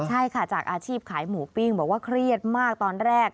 ใช่ค่ะจากอาชีพขายหมูปิ้งบอกว่าเครียดมากตอนแรก